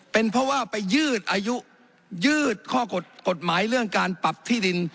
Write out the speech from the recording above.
เป็นเพราะว่าไปยืดอายุยืดข้อกฎหมายเรื่องการปรับที่ดิน